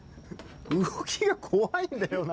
動きが怖いんだよな。